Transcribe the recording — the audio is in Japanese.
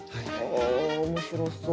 あ面白そう。